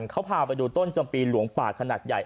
เขาพาไปดูต้นจำปีหลวงป่าขนาดใหญ่